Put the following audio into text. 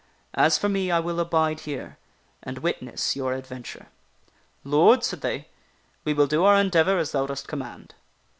As for me, I will abide here, and witness your adventure." " Lord," said they, " we will do our endeavor as thou dost command."